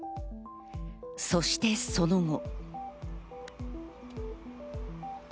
そしてその後。